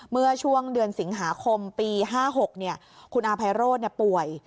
เมื่อช่วงเดือนสิงหาคมปีห้าหกเนี้ยคุณอาภัยโรดเนี้ยป่วย